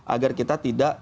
agar kita tidak